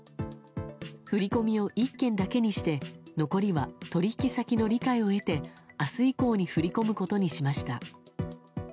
振り込みを１件だけにして残りは取引先の理解を得て明日以降に振り込むことにしました。